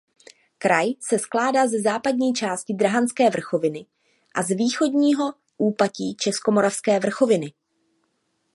Kraj se skládá ze západní části Drahanské vrchoviny a z východního úpatí Českomoravské vrchoviny.